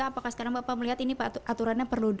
apakah sekarang bapak melihat ini aturannya perlu